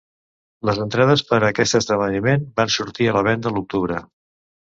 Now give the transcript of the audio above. Les entrades per a aquest esdeveniment van sortir a la venda a l'octubre.